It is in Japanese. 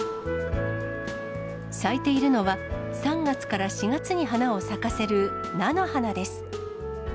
咲いているのは、３月から４月に花を咲かせる菜の花です。